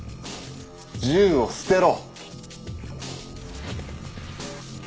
銃を捨てろ！